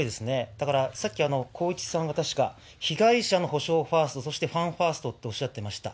だから、さっき、光一さんが確か、被害者の補償ファースト、そしてファンファーストっておっしゃっていました。